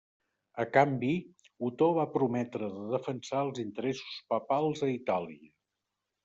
A canvi, Otó va prometre de defensar els interessos papals a Itàlia.